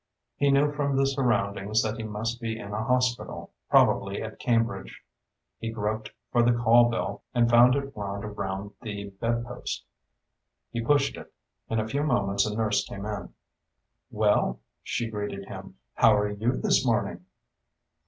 He knew from the surroundings that he must be in a hospital, probably at Cambridge. He groped for the call bell and found it wound around the bedpost. He pushed it. In a few moments a nurse came in. "Well," she greeted him, "how are you this morning?"